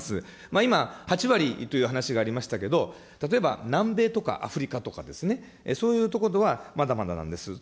今、８割という話がありましたけど、例えば南米とかアフリカとかですね、そういうとこではまだまだなんです。